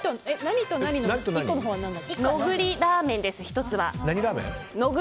ノグリラーメンです、１つは。